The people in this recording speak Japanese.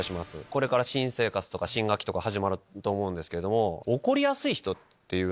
これから新生活新学期始まると思うんですけど。